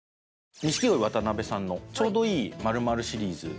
錦鯉渡辺さんのちょうどいい○○シリーズ。